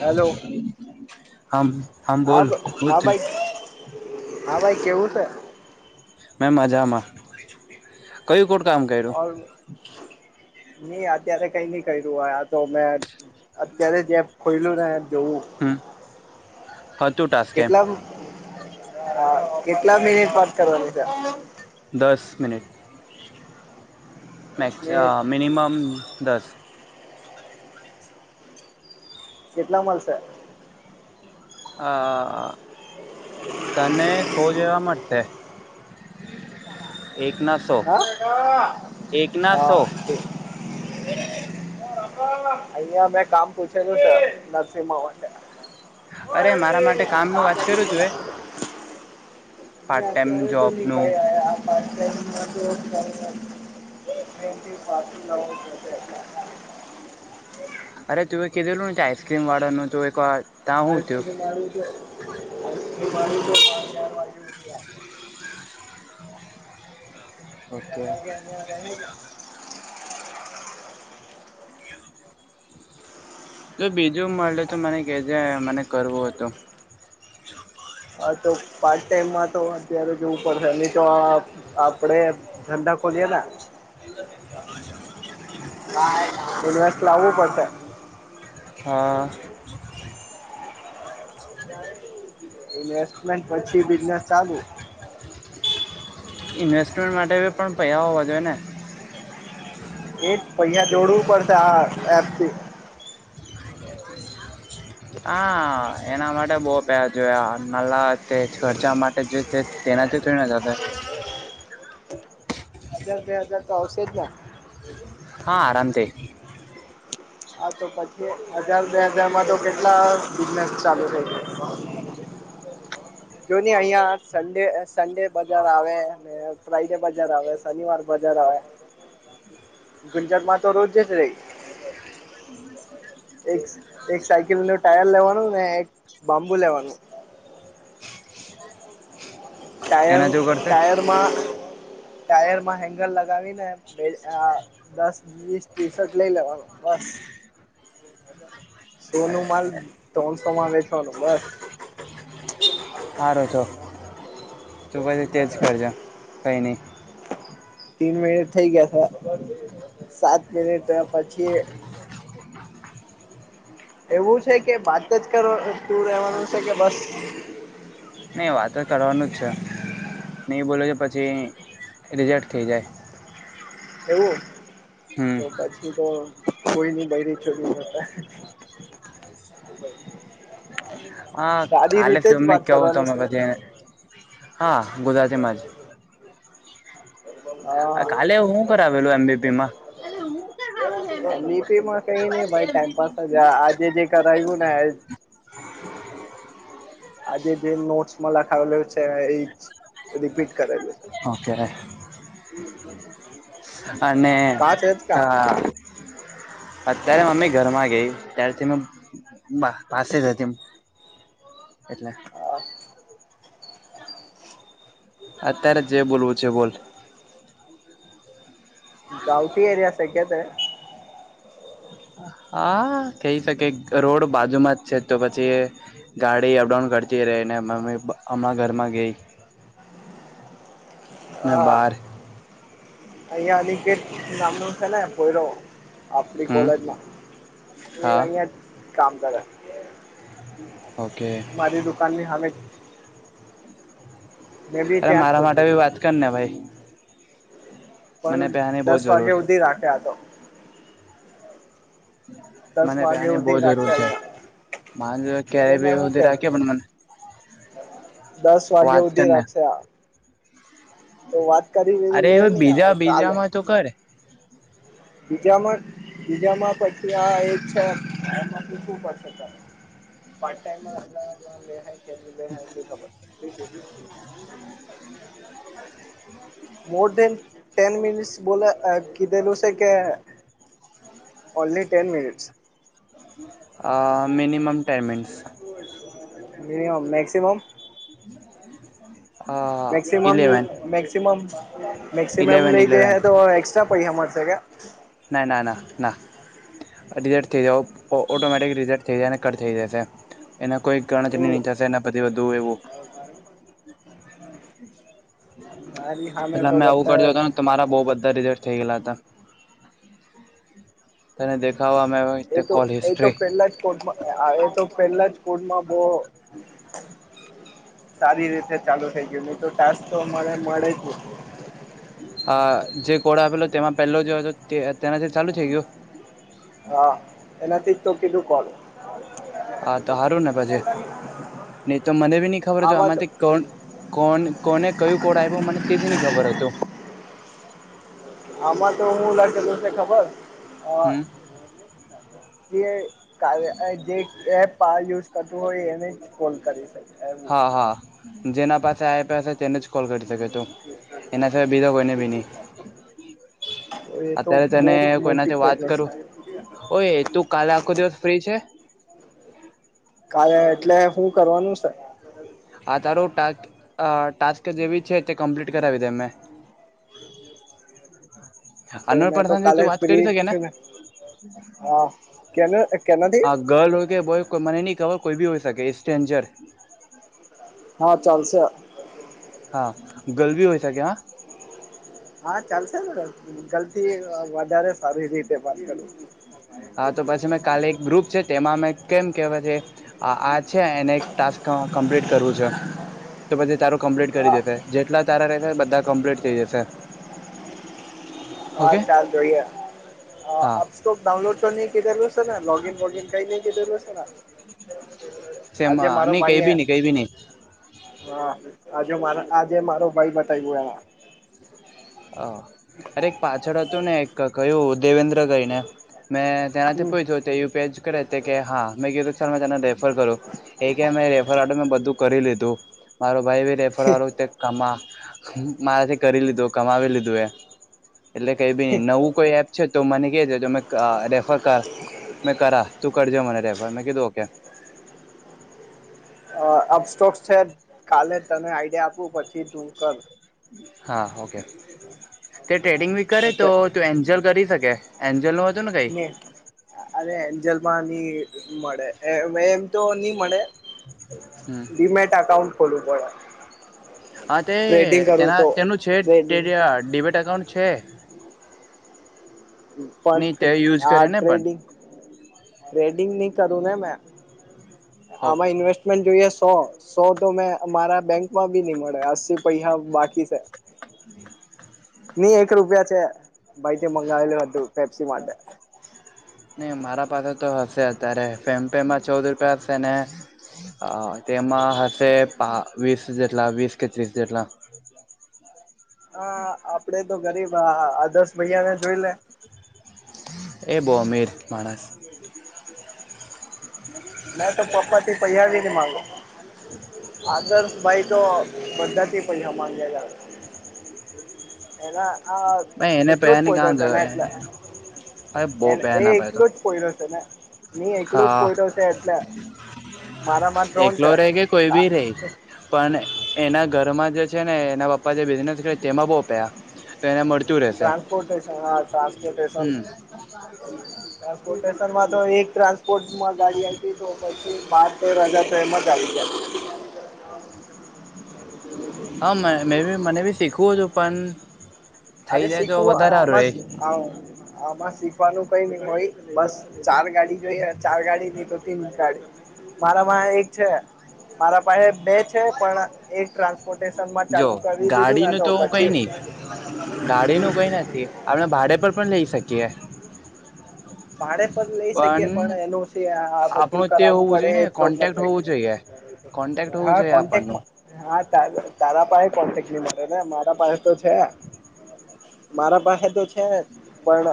Hello હામ હા બોલ. હું હા થિયું? ભાઈ હા ભાઈ કેવું છે? મેં મજામાં. કયું કોટ કામ કર્યું? [unintelligible] નહી અત્યારે કઈ નઈ કર્યું હો આ તો મે અત્યારે જેમ ખોઈલું ને એ જોવું. હમ હતું ટાસ્ક એમ કેટલા હા કેટલા મિનિટ વાત કરવાનીશે? દસ મિનિટ. મેક્સ અ મિનિટ મિનિમમ દસ. કેટલા મલશે? અ અ તને શૌ જેવા મળશે. એક ના સો હ હા એક ના સો ઓકે અહીંયા મેં કામ પૂછેલું છે નરસિંહ માં અરે માટે મારા માટે કામ નું વાત કર્યું તું એ [unintelligible] પાર્ટ અહીંયા ટાઈમ અત્યારે તો જોબ ની નું ભાઈ્યા [unintelligible] [unintelligible] અરે તુંએ કીધેલું ને આઈસક્રીમવાળા નું જોઈ કાઢ આઈસ્ક્રીમવાળું જો, આઈસક્રીમવાળું જો પાંચ ચાર વાઈગ્યું રાખે ઓકે. અગિયાર વાગે અહીંયા રહે તો બીજું મળે તો મને કેજે મને કરવું હતો. હા તો પાર્ટ ટાઈમમાં તો અત્યારે જવું નહીં તો આ આપડે ધંધા ખોલ્યાલા ઇન્વેસ્ટ લાવવું પડશે. હા. ઇન્વેસ્ટમેન્ટ પછી બિઝનેસ ચાલુ. ઇન્વેસ્ટમેન્ટ માટે પણ પૈહા હોવા જોવે ને એજ પૈહા જોડવું પડશે આ એપ થી હા એના માટે બઉ પૈહા જોયા આ નાલા તે ખર્ચા માટે જે તે તેના તો [unintelligible] હજાર બે હજાર તો આવશે જ ન હા આરામથી. હા તો પછી હજાર બે હજાર માં તો કેટલા બિઝનેસ ચાલુ થઈ જાય છે. જો ને અહિયાં સડે સડે બજાર આવે ફ્રઈડે બજાર આવે, શનિવાર બજાર આવે ગુંજર માં તો રોજ જ રહી એક સ એક સાયકલ નું ટાયર લેવાનું ને એક બાંબુ લેવાનું ટાયર એના જો કરતે ટાયર માં ટાયરમાં હેન્ગલ લગાવી ને બે અ દસ-વીસ ટી શર્ટ લઈ લેવાનું બસ. સો નું માલ ત્રણ સો માં વેચવાનું બસ. હારુ તો તો પછી તેજ કરજો કઈ નહી. તીન મિનિટ થઈ ગયા છ હમ [unintelligible] સાત મિનિટ પછી. એવું છે કે વાત જ કર તું રહેવાનું છે કે બસ. નહી વાતો કરવાનું જ છે નહી બોલો છે પછી રિજેક્ટ થઈ જાય. એવું, હમ તો પછી તો. કોઈ નઈ. બને ચડું હા કાલે તમને વાત કેવું કરવાનું તમે. છે પછી હા ગુજરાતીમાં જ. હા કાલે શું કર આવેલું એમબીપી માં. એ મ બી પીમાં કઈ નહ ભાઈ ટાઈમપાસજ આજે જે કરાવ્યું ને. આજે જે નોટ્સમાં લખાવલો છે એ એ જ. રિપીટ કરેલું છે ઓકે. અને કા છે જ ક. કા અત્યારે મમ્મી ઘરમાં ગઈ ત્યારથી મે. બા પાસે હતીમ. અત્યારે જે બોલવું છે બોલ. [inaudible] ગાંવટી એરિયા છે કે તે. હા કઈ શકે કરોડ બાજુમાં જ છે તો પછી. ગાડી અપડાઉન કરતી રહી ને મમ્મી હમણાં ઘરમાં ગઈ. હ મેં બહાર અહીંયા ની કેટ નામનો છે ને પોયરો. આપડી હમ કોલેજમાં એ હા અહીંયા જ કામ કરે. ઓકે. મારી દુકાનની સામે. મેં બી અરે ત્યાં જ મારા માટે શોધ્યું ભી વાત કર ને ભાઈ. મને પણ પેહાની બહુ દસ જરૂર વાગે સુધી રાખે આ તો. દસ મને વાગ્યા ત્યાની સુધી બહું જરૂર રાખ્યા છે. અહિયાં અરે મેં મા હું [unintelligible] કેમ રાખે મને. દસ વાગે વાત કર સુધી ને રાખશે આ. તો વાત કરી. લે અરે નહી આવે બીજા બીજા કાલે માં તો કર. બીજામાં બીજામાં પછી આ એક છે આમાં પૂછવું પડશે. પાર્ટ ટાઈમ માં [unintelligible] એની ખબર. હ [inaudible] [inaudible] મોર ધેન ટેન મિનિટ્સ બોલો આ કીધેલું. કે ઓનલી ટેન મિનિટસ. આ minimum ten minutes. Minimum maximum. Maximum eleven maximum. Maximum eleven લઈ જઈ ઇલેવન હ તો એક્સ્ટ્રા પૈસા મળશે કે, ના. ના. ના. ના. [unintelligible] ઓટોમેટિક રિઝલ્ટ થઈ જાય અને કટ થઈ જશે. એના કોઈ કરણચની [unintelligible] એવું ને થાશે પછી વધુ એવું. હમ [unintelligible] પહેલા મેં આવું કર્યું હતું ને મારા બહુ બધા રિઝલ્ટ થઇ ગયલા હતા. તને, દેખાવામે તે કોલ હિસ્ટ્રી- કોડમા આયો તો પેલા જ કોડમાં બ- સારી રીતે ચાલુ થઈ ગયું, નહી તો ટાસ્ક તો મને મળે જ ની- આ જે, કોડ આપેલો, તેમાં પહેલો જે હતો તે તેનાથી ચાલુ થઈ ગયું? હા, એનાથી જ તો કીધું કર- હા, તો હારું ને પછી, નહી તો મને બી નઈ ખબર કે આમાં તો આમાંથી કોણ? કોણ, કોને કહ્યું કોડ આયપો, મને તેબી ની ખબર હતું. આમાં તોહું [unintelligible] દે ખબર હમ કે, [inaudible] કાયૉ, જે એપ યુઝ કરતું હોય, એને જ કોલ કરી શકે એવું. હા હા જેના પાસે આપ્યા હશે તેને જ કોલ કરી શકે તુ. એના સિવાય, બીજા કોઈને ભી નહીં. એ તો અત્યારે બહુ તેને મોટી કોઈનાથી વાત પ્રોબ્લેમ કરું? છે ઓએતું, કાલે આખો દિવસ ફ્રી છે? કાલે, એટલે હુ કરવાનું છે? આ, તારો ટાસ્ક જ એવી છે, તે કમ્પ્લીટ કરાવી દે મેં. તો હન્ડ્રેડ મેં તો પરસન કાલે તું વાત કરી ફ્રી જ શકે ને? છું હા કેને કેનાથી ગર્લ હોય કે બોય, કો મનેની ખબર કોઈ બી હોય શકે? ! ઈટ્સ સ્ટ્રેન્જર, હા ચાલશે, હા ગલ બી હોય શકે હા, હા, ચાલશેને, ગલ થી વધારે સારી રીતે વાત કરું. હા, તો પછી મે કાલે એક ગ્રુપ છે, તેમાં મેં કેમ કેવા છે. આ છે, એને ટાસ્ક કમ્પ્લીટ કરવું છે. તો પછી, તારું કમ્પ્લીટ કરી હા દેશે. જેટલા તારા રહેશે બધા કમ્પ્લીટ થઇ જશે. હાલ ઓકે ચાલ જોઈએ, હા અપ- તો, ડાઉનલોડ તો ની કેધેલુશે ના, લોગીન બોગીન કંઈ નઈ કેધેલુંને. સેમાં? નઈ કંઈ ભી નઈ, કંઈ ભી નઈ. હા, આજે મારા, આજે મારો ભાઈ બતાવ્યો એ, હ અરે! એક પાછળ હતુંને, એક કહ્યું દેવેન્દ્ર કઈને મેં, તેના હમ થી [unintelligible] જોયું પેચ. કે હા, મેં કીધું સર મે તને રેફર કરું, એ કે મેં રેફર મેં બધું કરી લીધું. મારો ભાઈ બી રેફરવા કમા મારાથી કરી લીધું કમાવી લીધું એ, એટલે કઈ ભી નઈ. નવું કોઈ એપ છે, તો મને કેજે મે રેફર કર. મેં કરા, તું કરજે મને રેફર, મેં કીધું ઓકે. અપસ્ટોક છે, કાલે તમે આઈડિયા આપુ પછી તું કર. હા, ઓકે. તે ટ્રેડિંગ ભી કરે તોતું એન્જલ કરી શકે. એન્જલ નું હતું ને કંઈ, અરે, એન્જલમાંનની મળે. એમ તો નહીં મળે. હમ ડીમેટ અકાઉન્ટ ખોલવું પડે. હાતે, ટ્રેડિંગ કરવું તેના તો તેનું છે, તે ટ્રેડિંગ ડેબિટ અકાઉન્ટ છે. નહી તે પણ યુઝ આ, કરે ને પણ ટ્રેડિંગ, ટ્રેડિંગ ની કરુંને મેં. હો આમાં ઇન્વેસ્ટ, જોઈએ, સો, સો તોમેં મારા બેંક માં ભી નહીં મળે! અસલી પૈસા બાકી છે. [unintelligible] [inaudible] ની એક રૂપિયા છે, ભાઈથી મંગાવેલું હતું પેપ્સી માટે. નહીં મારા પાસે તો હશે અત્યારે, ફેમ પે ચૌદ રૂપિયા છે. તેમાં હશે વીસ જેટલા, વીસ કે ત્રીસ જેટલા. [unintelligible] [inaudible] હા આપડે તો ગરીબ આદર્શ ભૈયાને જોઈલે, એ બહુ અમીર માણસ, મેતો પપ્પા થી પૈસા નહી માંગુ. આદર્શભાઈ તો બધાથી પૈસા માંગેલા જ, [unintelligible] [inaudible] એહા ભાઈ એને એટલું પૈસા જ [inaudible] [inaudible] ની કાં પોયતશે એટલે, અરે બહુ એ પૈસા એ ના પાય તો એકલો જ પોઈડો તને ને એકલો જ હા પોઈડો છે એટલે, મારામાં ત્રણ એકલો છે રહે કે કોઈ બી નઈ, પણ એના ઘરમાં જે છે ને એના પપ્પા જે મહેનત - તેમાં બહ પૈહા એને મળ ટ્રાન્સપોર્ટેન હા ટ્રાન્સપોર્ટેશન હમ ટ્રાન્સપોર્ટેશનમાં તો એક ટ્રાન્સ પોર્ટ ગાડી આવીતી હોય તો પછી બાર-તેર હજાર તો એમજ આઈ જતી હા મે મેબી મને બી શીખવું હતું પન થઈ જાય તો વધારે હારું એ આવ આમાં શીખવાનું કઈ નીઈ ભાઈ બસ ચાર ગાડી જોઈએ ચાર ગાડી નઈ તો તીન ગાડી મારાપાહે એક છે મારા પાહે બે છે પણ એક ટ્રાન્સ ટ્રાન્સપોર્ટશ ન માં જો ચાલુ કરી દીધું ને તો પછી ગાડી નું કોઈ નથી આપણે ભાડે પર પણ લઈ શકીએ. હ. ભાડે પણ લઈ શકીએ પણ એનું છે આ બધું આપણું તે કરાવવું હોવું પડે જોઈએ એ ને પ્રોબ્લેમ કોન્ટેક્ટ થાઈ હોવું જોઈએ કોન્ટેક્ટ હોવું જોઈએ આપણનુ. હા તાર તારા પાહે કોન્ટેક ની મલે ને મારા પાહે તો છે. મારા પાહે તો છે જ પણ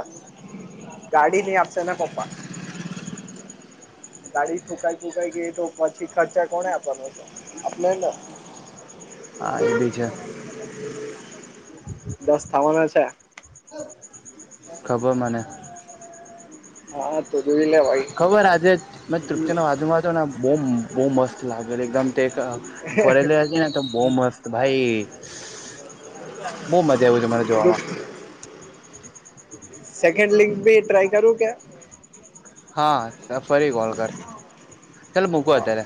ઈ નય આપશેતારા પાપા, ગાડી ઠુકાઈ ફૂકાઈ ગઈ તો પછી ખર્ચા કોણે આપવા પડશે આપણે જ ન. હા એ બી છે. દસ થાવાનો છે. ખબર મને. હા-હા તો જોઈ લે. ભાઈ ખબર આજે મેં તૃપ્તિના બાજુમાં હતો ને બહુ મસ્ત લાગેલી એકદમ તે ફરેલી હતી ને તો બોઓ મસ્ત ભાઈ બહુ મજા આયવો તે જોવામાં, સેકન્ડ લીંગ ભી ટ્રાય કરું કે. હા ફરી કોલ કર ચાલ મૂકુ હા અત્યારે.